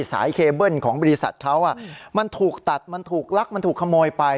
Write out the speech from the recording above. สายเคเบิ้ลของบริษัทเขามันถูกตัดมันถูกลักมันถูกขโมยไป